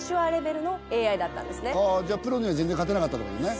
じゃあプロには全然勝てなかったってことね。